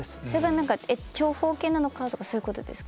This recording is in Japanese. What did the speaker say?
何か長方形なのかとかそういうことですか？